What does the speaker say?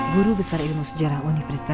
guru besar ilmu sejarah universitas